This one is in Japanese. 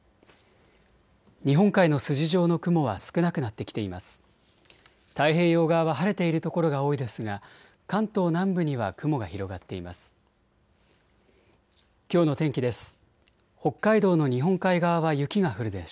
日本海の筋状の雲は少なくなってきています。